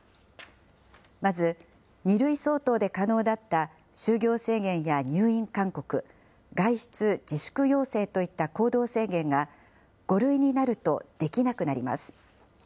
まず、２類相当で可能だった就業制限や入院勧告、外出自粛要請といった行動制限が、５類になるとできなくなります。